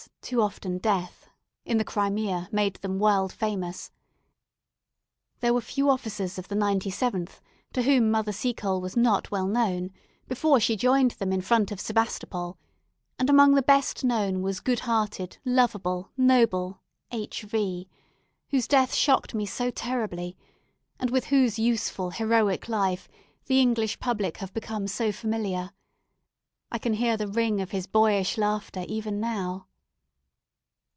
too often death, in the Crimea, made them world famous. There were few officers of the 97th to whom Mother Seacole was not well known, before she joined them in front of Sebastopol; and among the best known was good hearted, loveable, noble H V , whose death shocked me so terribly, and with whose useful heroic life the English public have become so familiar. I can hear the ring of his boyish laughter even now.